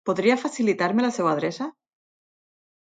Podria facilitar-me la seva adreça?